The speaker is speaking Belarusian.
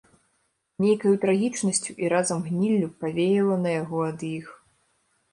Нейкаю трагічнасцю і разам гніллю павеяла на яго ад іх.